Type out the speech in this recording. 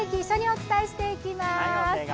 お伝えしていきます。